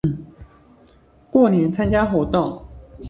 過年參加活動